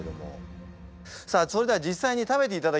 さあそれでは実際に食べていただきましょう。